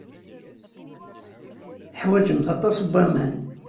Teḥwajemt aṭas n waman.